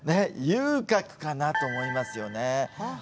遊郭かなと思いますよね。